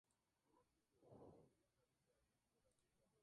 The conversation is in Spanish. El personaje principal era acompañado por Droop-a-Long.